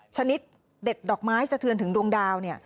ชนิดเด็ดดอกไม้สะเทือนถึงดวงดาวเนี่ย